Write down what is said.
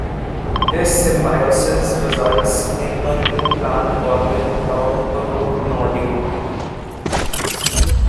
This symbiosis results in a new plant organ termed a root nodule.